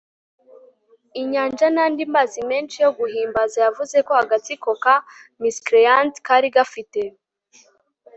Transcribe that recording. inyanja nandi mazina menshi yo guhimbaza. yavuze ko agatsiko ka miscreant kari gafite